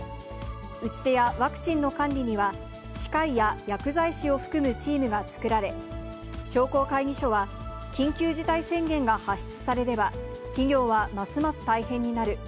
打ち手やワクチンの管理には、歯科医や薬剤師を含むチームが作られ、商工会議所は、緊急事態宣言が発出されれば、企業はますます大変になる。